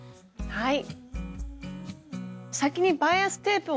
はい。